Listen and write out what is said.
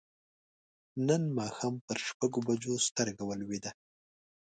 نن ماښام پر شپږو بجو سترګه ولوېده.